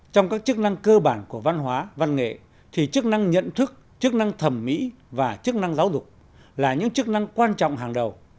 trong các chức năng cơ bản của văn hóa văn nghệ thì chức năng nhận thức chức năng thẩm mỹ và chức năng giáo dục là những chức năng quan trọng hàng đầu